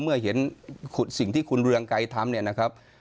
เมื่อเห็นสิ่งที่คุณเรืองไกรทำเนี่ยนะครับ